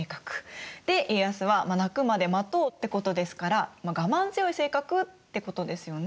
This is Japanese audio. で家康は「鳴くまで待とう」ってことですから我慢強い性格ってことですよね。